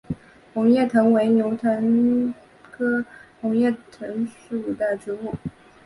红叶藤为牛栓藤科红叶藤属的植物。